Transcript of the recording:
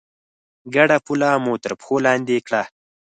ګډه پوله مو تر پښو لاندې کړه.